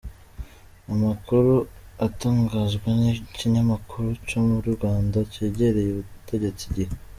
Amakuru atangazwa n'ikinyamakuru co mu Rwanda cegereye ubutegetsi, igihe.